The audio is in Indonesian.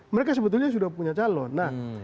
mereka sebetulnya sudah punya calon